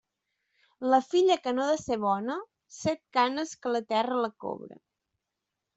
La filla que no ha de ser bona, set canes que la terra la cobre.